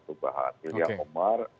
perubahan ilya omar